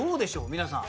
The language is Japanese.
皆さん。